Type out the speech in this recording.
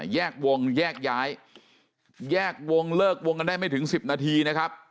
แยกวงแยกย้ายแยกวงเลิกวงกันได้ไม่ถึง๑๐นาทีนะครับ